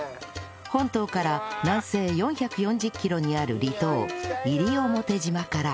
本島から南西４４０キロにある離島西表島から